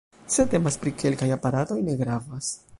Se temas pri kelkaj aparatoj, ne gravas.